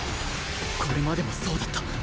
これまでもそうだった